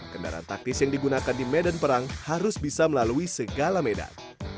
kendaraan taktis yang digunakan di medan perang harus bisa melalui segala medan